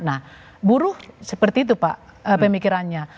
nah buruh seperti itu pak pemikirannya